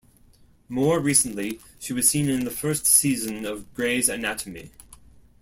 More recently, she was seen in the first season of "Grey's Anatomy".